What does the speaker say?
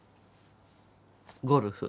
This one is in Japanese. ゴルフ。